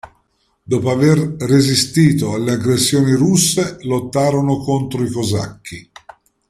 Dopo aver resistito alle aggressioni russe, lottarono contro i Cosacchi.